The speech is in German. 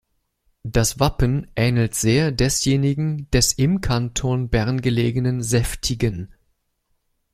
Das Wappen ähnelt sehr desjenigen des im Kanton Bern gelegenen Seftigen.